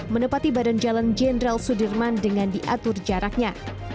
menepati badan jalan jenderal sudirman dengan diatur jaraknya